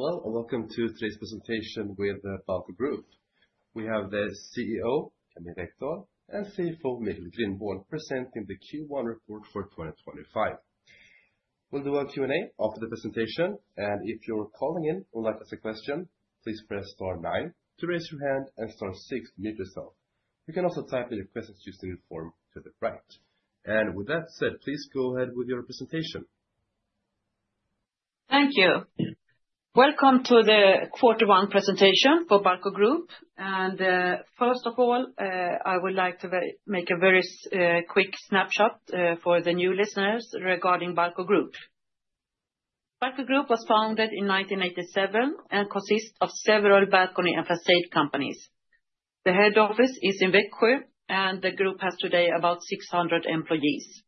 Hello, and welcome to today's presentation with the BALCO Group. We have the CEO, Camilla Ekdahl, and CFO, Michael Grindborn, presenting the Q1 report for 2025. We'll do a Q&A after the presentation, and if you're calling in or like to ask a question, please press star nine to raise your hand and star six to mute yourself. You can also type in your questions using the form to the right. With that said, please go ahead with your presentation. Thank you. Welcome to the Quarter One presentation for BALCO Group. First of all, I would like to make a very quick snapshot for the new listeners regarding BALCO Group. BALCO Group was founded in 1987 and consists of several balcony and facade companies. The head office is in Växjö, and the group has today about 600 employees.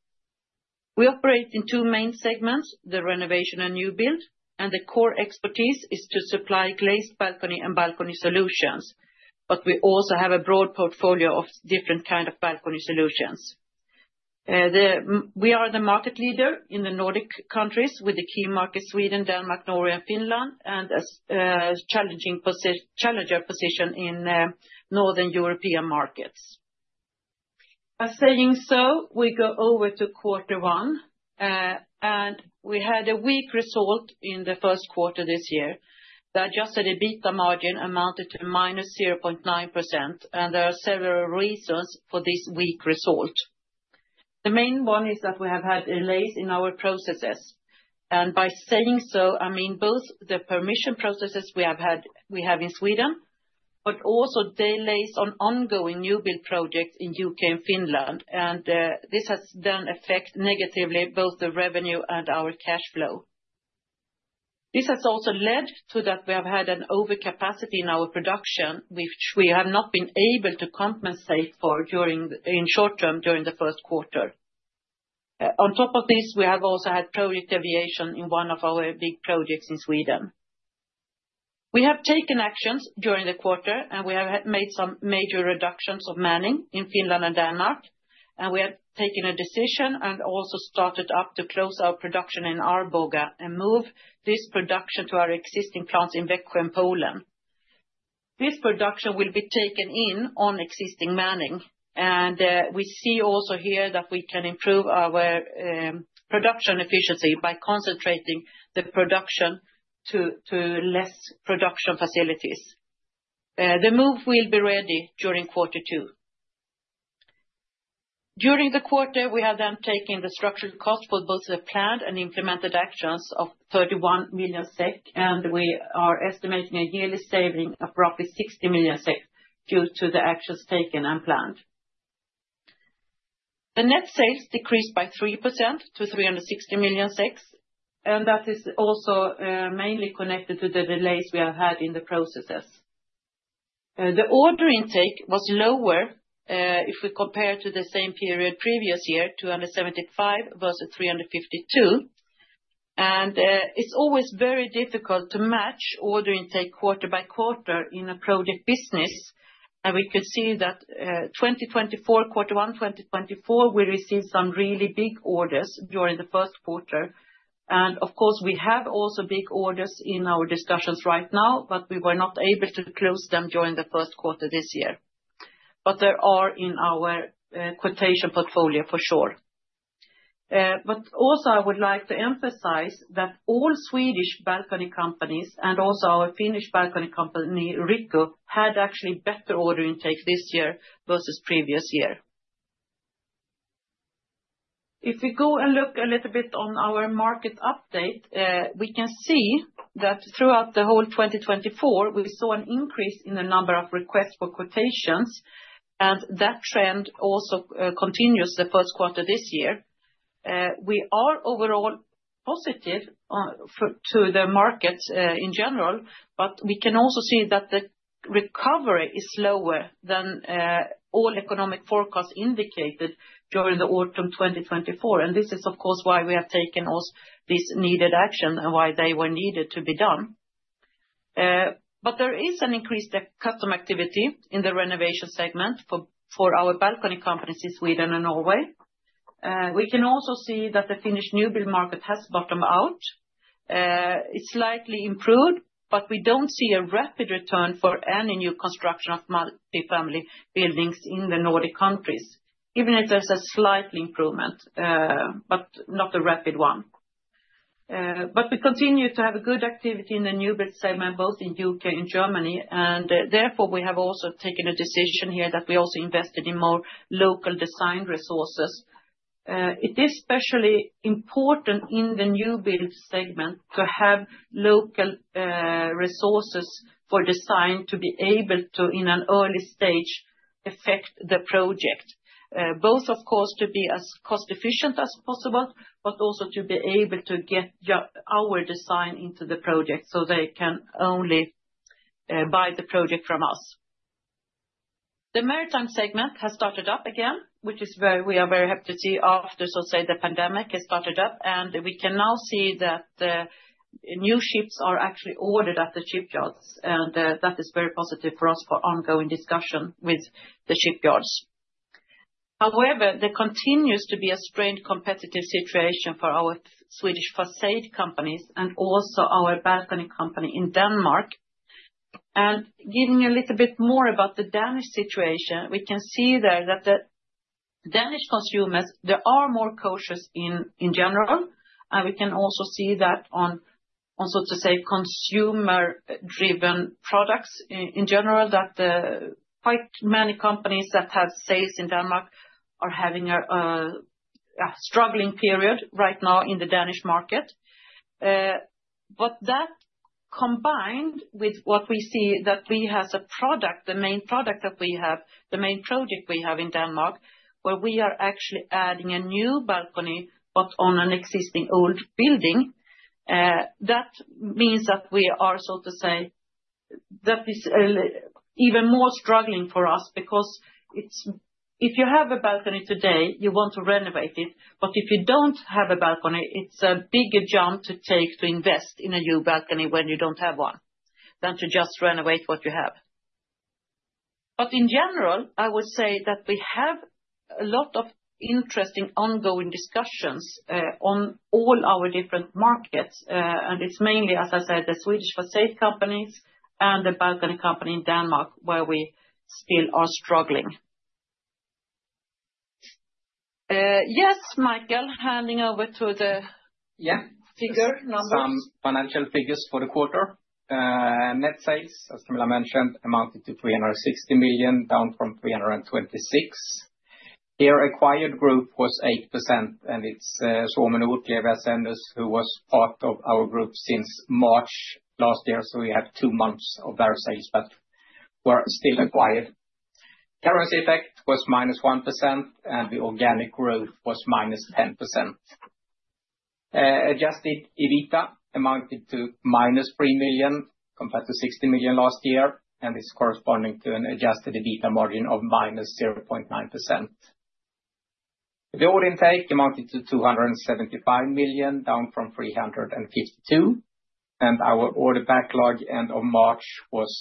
We operate in two main segments: the renovation and new build, and the core expertise is to supply glazed balcony and balcony solutions. We also have a broad portfolio of different kinds of balcony solutions. We are the market leader in the Nordic countries with the key markets Sweden, Denmark, Norway, and Finland, and a challenger position in Northern European markets. Saying so, we go over to Quarter One, and we had a weak result in the Q1 this year. The adjusted EBITDA margin amounted to -0.9%, and there are several reasons for this weak result. The main one is that we have had delays in our processes. By saying so, I mean both the permission processes we have had in Sweden, but also delays on ongoing new build projects in the U.K. and Finland. This has then affected negatively both the revenue and our cash flow. This has also led to that we have had an overcapacity in our production, which we have not been able to compensate for in short term during the Q1. On top of this, we have also had project deviation in one of our big projects in Sweden. We have taken actions during the quarter, and we have made some major reductions of manning in Finland and Denmark. We have taken a decision and also started up to close our production in Arboga and move this production to our existing plants in Växjö, Poland. This production will be taken in on existing manning. We see also here that we can improve our production efficiency by concentrating the production to fewer production facilities. The move will be ready during Q2. During the quarter, we have then taken the structural cost for both the planned and implemented actions of 31 million SEK, and we are estimating a yearly saving of roughly 60 million SEK due to the actions taken and planned. The net sales decreased by 3% to 360 million, and that is also mainly connected to the delays we have had in the processes. The order intake was lower if we compare to the same period previous year, 275 versus 352. It is always very difficult to match order intake quarter by quarter in a project business. We can see that 2024, quarter one 2024, we received some really big orders during the Q1. Of course, we have also big orders in our discussions right now, but we were not able to close them during the Q1 this year. They are in our quotation portfolio for sure. Also, I would like to emphasize that all Swedish balcony companies and also our Finnish balcony company, Riikku, had actually better order intake this year versus the previous year. If we go and look a little bit on our market update, we can see that throughout the whole 2024, we saw an increase in the number of requests for quotations, and that trend also continues the Q1 this year. We are overall positive to the market in general, but we can also see that the recovery is slower than all economic forecasts indicated during the autumn 2024. This is, of course, why we have taken this needed action and why they were needed to be done. There is an increased customer activity in the renovation segment for our balcony companies in Sweden and Norway. We can also see that the Finnish new build market has bottomed out. It's slightly improved, but we don't see a rapid return for any new construction of multifamily buildings in the Nordic countries, even if there's a slight improvement, but not a rapid one. We continue to have a good activity in the new build segment, both in the U.K. and Germany. Therefore, we have also taken a decision here that we also invested in more local design resources. It is especially important in the new build segment to have local resources for design to be able to, in an early stage, affect the project. Both, of course, to be as cost-efficient as possible, but also to be able to get our design into the project so they can only buy the project from us. The maritime segment has started up again, which is where we are very happy to see after, so to say, the pandemic has started up. We can now see that new ships are actually ordered at the shipyards, and that is very positive for us for ongoing discussion with the shipyards. However, there continues to be a strained competitive situation for our Swedish facade companies and also our balcony company in Denmark. Giving you a little bit more about the Danish situation, we can see there that the Danish consumers, they are more cautious in general. We can also see that on, so to say, consumer-driven products in general, that quite many companies that have sales in Denmark are having a struggling period right now in the Danish market. That combined with what we see that we have as a product, the main product that we have, the main project we have in Denmark, where we are actually adding a new balcony, but on an existing old building, that means that we are, so to say, that is even more struggling for us because if you have a balcony today, you want to renovate it. If you don't have a balcony, it's a bigger jump to take to invest in a new balcony when you don't have one than to just renovate what you have. In general, I would say that we have a lot of interesting ongoing discussions on all our different markets. It's mainly, as I said, the Swedish facade companies and the balcony company in Denmark where we still are struggling. Yes, Michael, handing over to the figure numbers. Yeah, some financial figures for the quarter. Net sales, as Camilla mentioned, amounted to 360 million, down from 326 million. Their acquired growth was 8%, and it's Suomen Ohutlevyasennus, who was part of our group since March last year. We had two months of their sales, but were still acquired. Currency effect was -1%, and the organic growth was -10%. Adjusted EBITDA amounted to -3 million compared to 60 million last year, and it's corresponding to an adjusted EBITDA margin of -0.9%. The order intake amounted to 275 million, down from 352 million. Our order backlog end of March was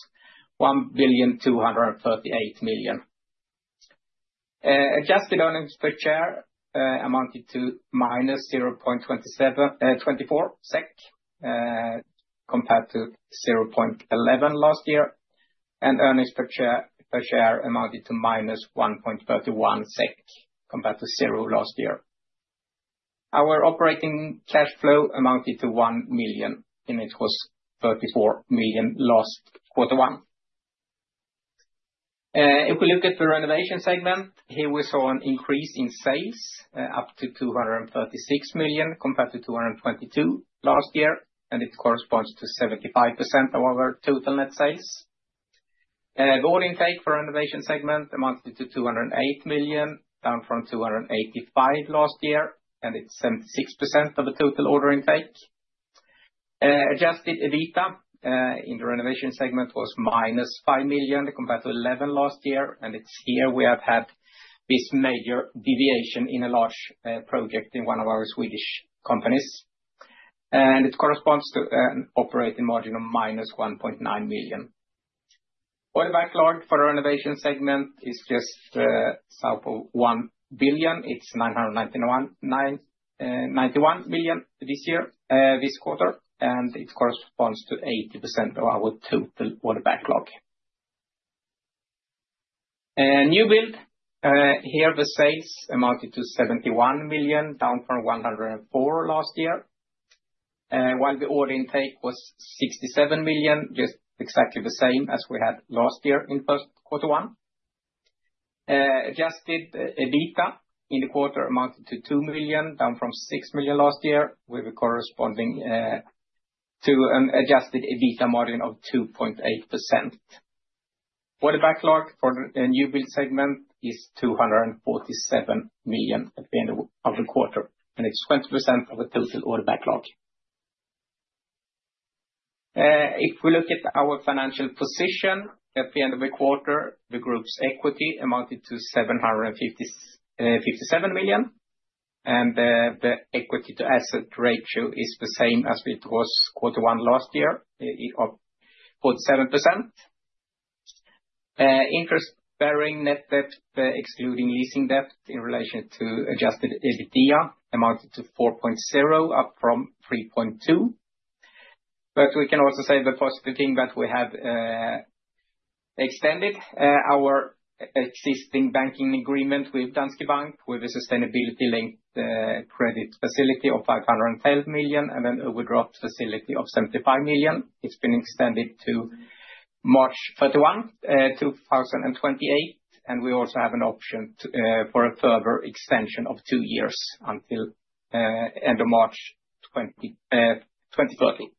1,238 million. Adjusted earnings per share amounted to -0.24 SEK compared to 0.11 last year, and earnings per share amounted to -1.31 SEK compared to zero last year. Our operating cash flow amounted to 1 million, and it was 34 million last quarter one. If we look at the renovation segment, here we saw an increase in sales up to 236 million compared to 222 million last year, and it corresponds to 75% of our total net sales. The order intake for the renovation segment amounted to 208 million, down from 285 million last year, and it is 76% of the total order intake. Adjusted EBITDA in the renovation segment was -5 million compared to 11 million last year, and it is here we have had this major deviation in a large project in one of our Swedish companies. It corresponds to an operating margin of -1.9%. Order backlog for the renovation segment is just south of 1 billion. It is 991 million this year, this quarter, and it corresponds to 80% of our total order backlog. New build, here the sales amounted to 71 million, down from 104 million last year, while the order intake was 67 million, just exactly the same as we had last year in quarter one. Adjusted EBITDA in the quarter amounted to 2 million, down from 6 million last year, corresponding to an adjusted EBITDA margin of 2.8%. Order backlog for the new build segment is 247 million at the end of the quarter, and it is 20% of the total order backlog. If we look at our financial position at the end of the quarter, the group's equity amounted to 757 million, and the equity to asset ratio is the same as it was quarter one last year, at 47%. Interest-bearing net debt, excluding leasing debt in relation to adjusted EBITDA, amounted to 4.0, up from 3.2. We can also say the positive thing that we have extended our existing banking agreement with Danske Bank with a sustainability-linked credit facility of 512 million and an overdraft facility of 75 million. It has been extended to March 31, 2028, and we also have an option for a further extension of two years until the end of March 2030.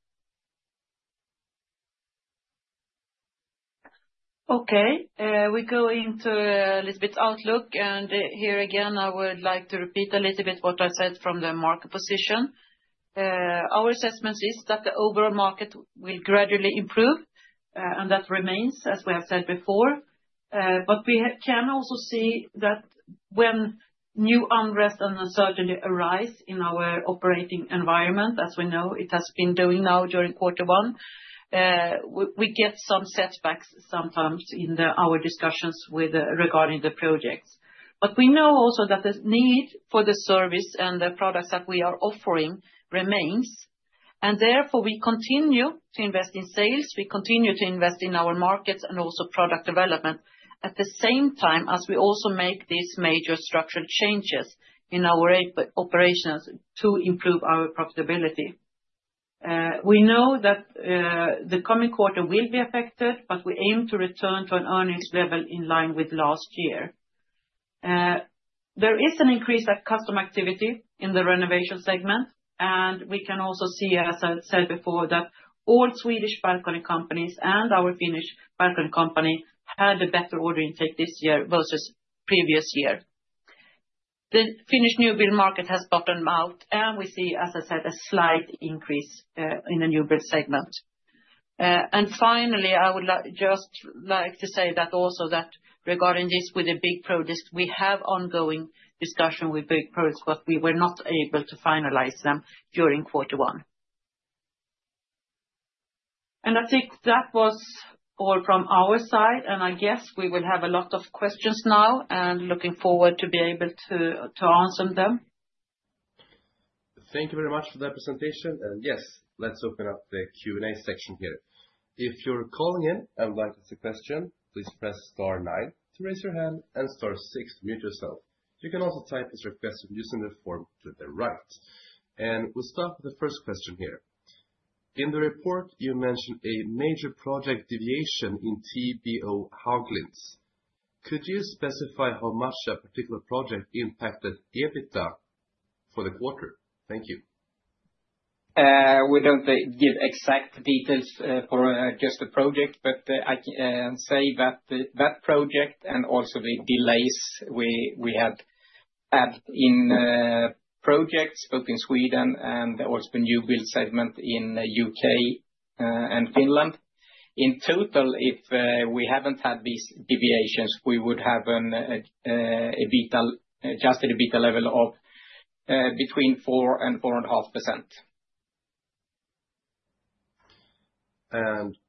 Okay, we go into a little bit of outlook, and here again, I would like to repeat a little bit what I said from the market position. Our assessment is that the overall market will gradually improve, and that remains, as we have said before. We can also see that when new unrest and uncertainty arise in our operating environment, as we know it has been doing now during quarter one, we get some setbacks sometimes in our discussions regarding the projects. We know also that the need for the service and the products that we are offering remains. Therefore, we continue to invest in sales. We continue to invest in our markets and also product development at the same time as we also make these major structural changes in our operations to improve our profitability. We know that the coming quarter will be affected, but we aim to return to an earnings level in line with last year. There is an increase of customer activity in the renovation segment, and we can also see, as I said before, that all Swedish balcony companies and our Finnish balcony company had a better order intake this year versus the previous year. The Finnish new build market has bottomed out, and we see, as I said, a slight increase in the new build segment. Finally, I would just like to say also that regarding this with the big projects, we have ongoing discussion with big projects, but we were not able to finalize them during quarter one. I think that was all from our side, and I guess we will have a lot of questions now and looking forward to be able to answer them. Thank you very much for that presentation. Yes, let's open up the Q&A section here. If you're calling in and would like to ask a question, please press star nine to raise your hand and star six to mute yourself. You can also type as requested using the form to the right. We'll start with the first question here. In the report, you mentioned a major project deviation in TBO-Haglinds. Could you specify how much a particular project impacted EBITDA for the quarter? Thank you. We don't give exact details for just the project, but I can say that that project and also the delays we had had in projects both in Sweden and also the new build segment in the U.K. and Finland. In total, if we haven't had these deviations, we would have an EBITDA, adjusted EBITDA level of between 4% to 4.5%.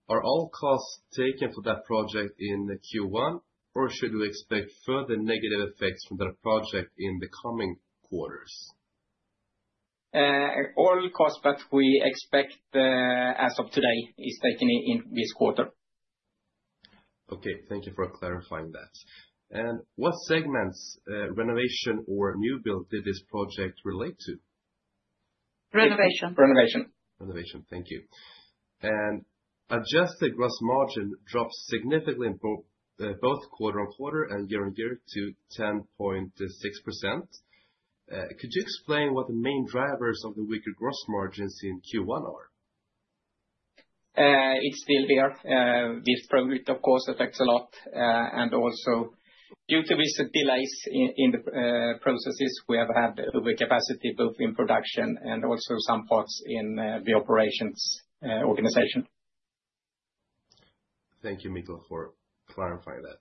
Are all costs taken for that project in Q1, or should we expect further negative effects from that project in the coming quarters? All costs that we expect as of today are taken in this quarter. Okay, thank you for clarifying that. What segments, renovation or new build, did this project relate to? Renovation. Renovation. Renovation, thank you. Adjusted gross margin dropped significantly both quarter on quarter and year on year to 10.6%. Could you explain what the main drivers of the weaker gross margins in Q1 are? It's still there. This project, of course, affects a lot. Also, due to these delays in the processes, we have had overcapacity both in production and also some parts in the operations organization. Thank you, Michael, for clarifying that.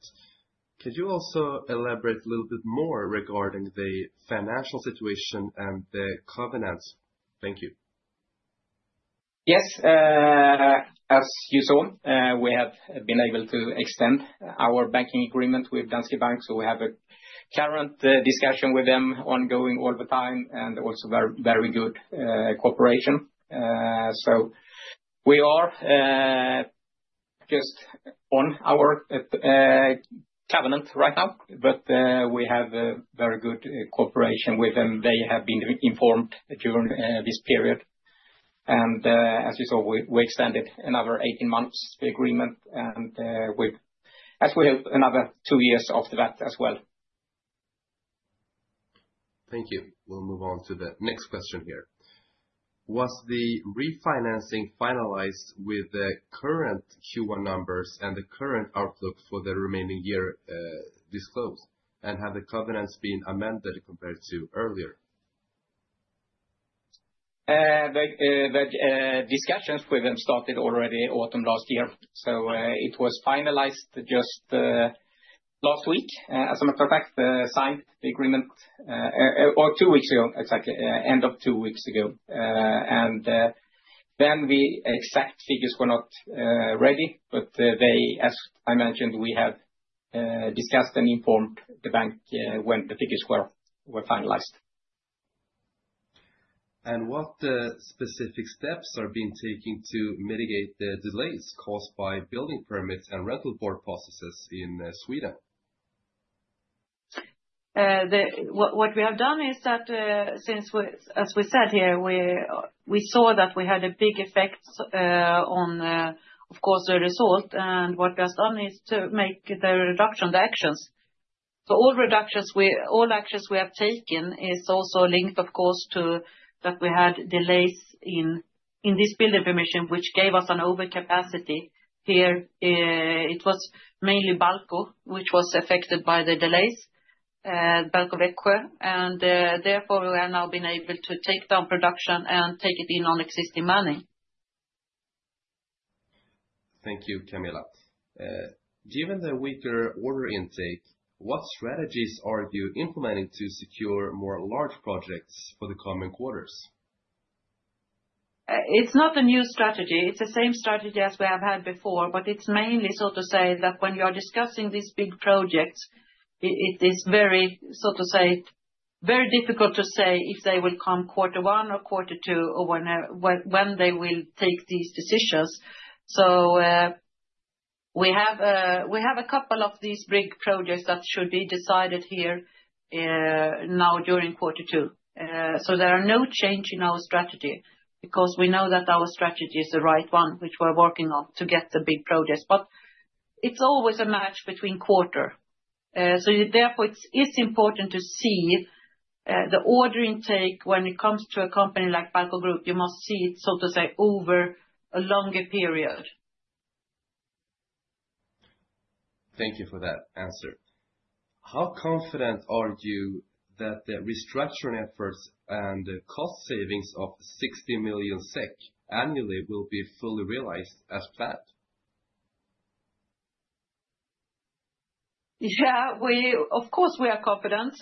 Could you also elaborate a little bit more regarding the financial situation and the covenants? Thank you. Yes, as you saw, we have been able to extend our banking agreement with Danske Bank. We have a current discussion with them ongoing all the time and also very good cooperation. We are just on our covenant right now, but we have a very good cooperation with them. They have been informed during this period. As you saw, we extended another 18 months the agreement, and we have another two years after that as well. Thank you. We'll move on to the next question here. Was the refinancing finalized with the current Q1 numbers and the current outlook for the remaining year disclosed? Have the covenants been amended compared to earlier? The discussions with them started already autumn last year. It was finalized just last week as a matter of fact, signed the agreement or two weeks ago, exactly end of two weeks ago. The exact figures were not ready, but they, as I mentioned, we have discussed and informed the bank when the figures were finalized. What specific steps are being taken to mitigate the delays caused by building permits and rental board processes in Sweden? What we have done is that since we, as we said here, we saw that we had a big effect on, of course, the result. What we have done is to make the reduction, the actions. All reductions, all actions we have taken is also linked, of course, to that we had delays in this building permission, which gave us an overcapacity here. It was mainly Balco, which was affected by the delays, Balco Växjö. Therefore, we have now been able to take down production and take it in on existing money. Thank you, Camilla. Given the weaker order intake, what strategies are you implementing to secure more large projects for the coming quarters? It's not a new strategy. It's the same strategy as we have had before, but it's mainly, so to say, that when you are discussing these big projects, it is very, so to say, very difficult to say if they will come quarter one or Q2 or when they will take these decisions. We have a couple of these big projects that should be decided here now during Q2. There are no change in our strategy because we know that our strategy is the right one, which we're working on to get the big projects. It's always a match between quarter. Therefore, it is important to see the order intake when it comes to a company like BALCO Group. You must see it, so to say, over a longer period. Thank you for that answer. How confident are you that the restructuring efforts and the cost savings of 60 million SEK annually will be fully realized as planned? Yeah, of course, we are confident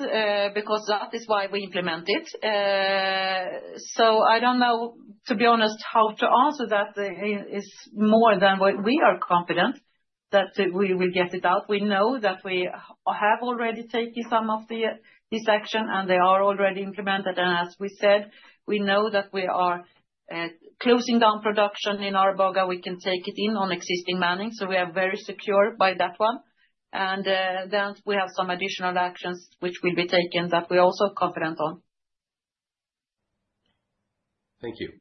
because that is why we implement it. I do not know, to be honest, how to answer that more than we are confident that we will get it out. We know that we have already taken some of this action and they are already implemented. As we said, we know that we are closing down production in Arboga. We can take it in on existing manning. We are very secure by that one. We have some additional actions which will be taken that we are also confident on. Thank you.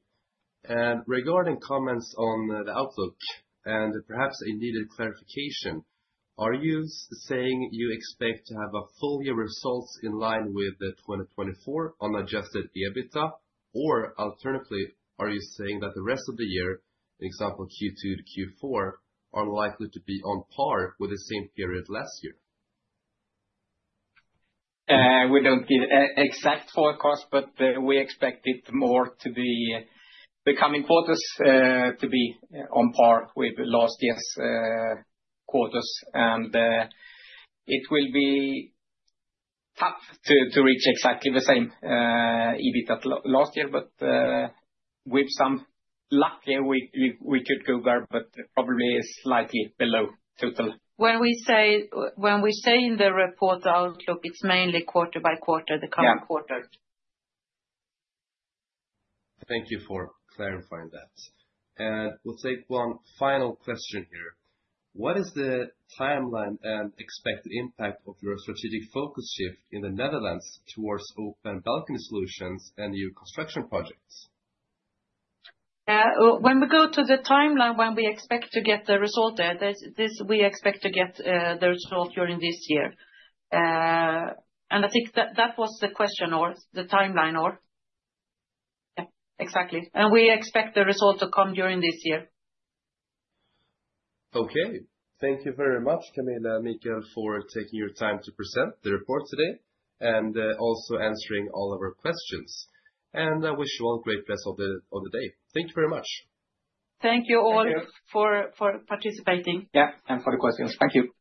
Regarding comments on the outlook and perhaps a needed clarification, are you saying you expect to have full year results in line with 2024 on adjusted EBITDA? Alternatively, are you saying that the rest of the year, example Q2 to Q4, are likely to be on par with the same period last year? We don't give exact forecasts, but we expect it more to be the coming quarters to be on par with last year's quarters. It will be tough to reach exactly the same EBITDA last year, but with some luck, we could go there, but probably slightly below total. When we say in the report outlook, it's mainly quarter by quarter, the coming quarter. Thank you for clarifying that. We'll take one final question here. What is the timeline and expected impact of your strategic focus shift in the Netherlands towards open balcony solutions and new construction projects? When we go to the timeline, when we expect to get the result there, we expect to get the result during this year. I think that was the question or the timeline or exactly. We expect the result to come during this year. Okay, thank you very much, Camilla and Michael, for taking your time to present the report today and also answering all of our questions. I wish you all a great rest of the day. Thank you very much. Thank you all for participating. Yeah, for the questions. Thank you.